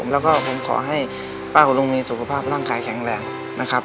แล้วก็ผมขอให้ป้าคุณลุงมีสุขภาพร่างกายแข็งแรงนะครับ